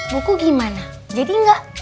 buku gimana jadi gak